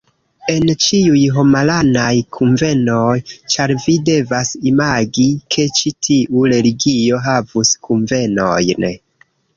En ĉiuj homaranaj kunvenoj, ĉar vi devas imagi ke ĉi tiu religio havus kunvenojn